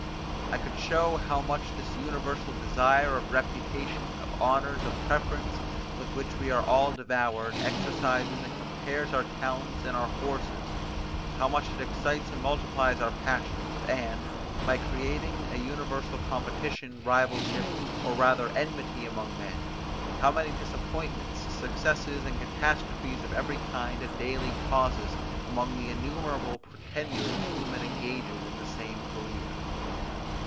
I could show how much this universal desire of reputation, of honours, of preference, with which we are all devoured, exercises and compares our talents and our forces: how much it excites and multiplies our passions; and, by creating an universal competition, rivalship, or rather enmity among men, how many disappointments, successes, and catastrophes of every kind it daily causes among the innumerable pretenders whom it engages in the same career.